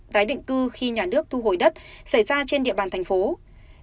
tái định cư khi nhà nước thu hồi đất xảy ra trên địa bàn tp long xuyên tỉnh an giang